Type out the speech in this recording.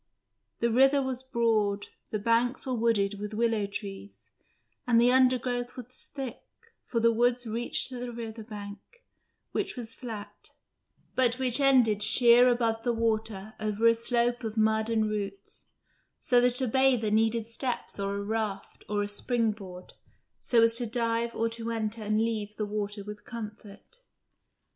The river was broad, the banks were wooded with willow trees, and the undergrowth was thick, for the woods reached to the river bank, which was flat, but which ended sheer above the water over a slope of mud and roots, so that a bather needed steps or a raft or a springboard, so as to dive or to enter and leave the water with comfort.